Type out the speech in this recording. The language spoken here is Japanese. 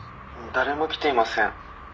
「誰も来ていません。